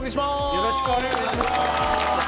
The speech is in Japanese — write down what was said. よろしくお願いします！